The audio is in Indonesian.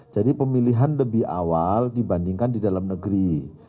jadi pemilihan lebih awal dibandingkan di dalam negeri